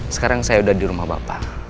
sekarang saya udah di rumah bapak